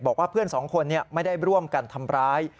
บอกว่าเพื่อนสองคนไม่ได้ร่วมกันทำร้าย